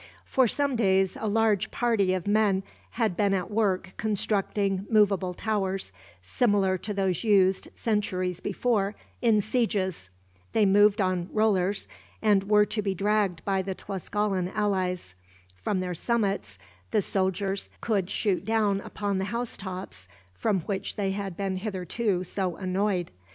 For some days a large party of men had been at work constructing movable towers, similar to those used, centuries before, in sieges. They moved on rollers, and were to be dragged by the Tlascalan allies. From their summits the soldiers could shoot down upon the housetops, from which they had been hitherto so annoyed.